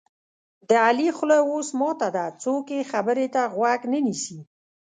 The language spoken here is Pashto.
د علي خوله اوس ماته ده څوک یې خبرې ته غوږ نه نیسي.